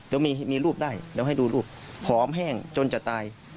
เดี๋ยวมีรูปได้เดี๋ยวให้ดูรูปผอมแห้งจนจะตาย